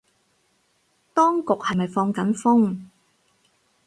當局係咪放緊風